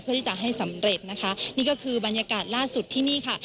ที่จะให้สำเร็จนะคะนี่ก็คือบรรยากาศล่าสุดที่นี่ค่ะ